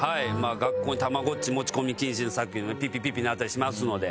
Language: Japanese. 学校にたまごっち持ち込み禁止さっきのねピッピピッピ鳴ったりしますので。